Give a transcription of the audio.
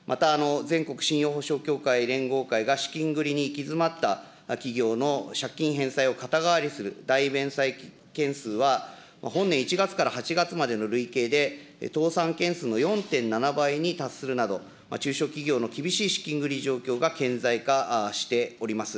また全国信用ほしょう協会連合会が資金繰りに行き詰った企業の借金返済を肩代わりするだいべんさい件数は、本年１月から８月までの累計で、倒産件数の４．７倍に達するなど、中小企業の厳しい資金繰り状況が顕在化しております。